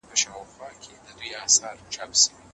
فردي انګیزې په تاریخ کي ډېر ارزښت لري.